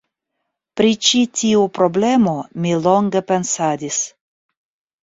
Pri ĉi tiu problemo mi longe pensadis.